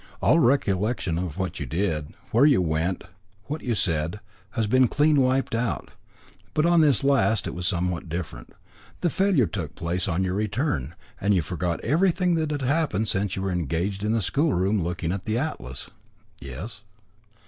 All recollection of what you did, where you went, what you said, has been clean wiped out. But on this last it was somewhat different. The failure took place on your return, and you forgot everything that had happened since you were engaged in the schoolroom looking at the atlas." "Yes."